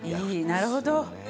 なるほど。